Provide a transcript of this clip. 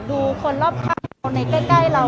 ดูคนรอบข้างคนในใกล้เรา